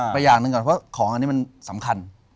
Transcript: อย่างหนึ่งก่อนเพราะของอันนี้มันสำคัญ